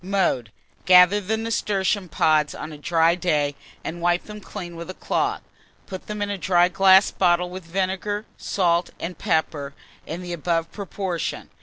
Mode. Gather the nasturtium pods on a dry day, and wipe them clean with a cloth; put them in a dry glass bottle, with vinegar, salt, and pepper in the above proportion.